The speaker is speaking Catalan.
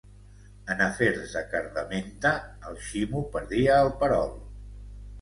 En afers de cardamenta, el Ximo perdia el perol.